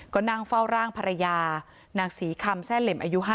ก็นั่งเฝ้าร่างภรรยานางศรีคำแซ่เหล็มอายุ๕๐